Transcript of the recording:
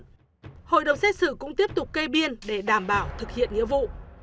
hội đồng xét xử cũng tiếp tục kê biên để đảm bảo thực hiện nghĩa vụ